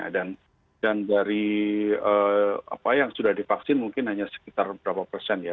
dan dari apa yang sudah divaksin mungkin hanya sekitar berapa persen ya